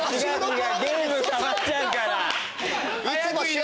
ゲーム変わっちゃうから。